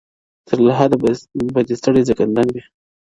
• تر لحده به دي ستړی زکندن وي -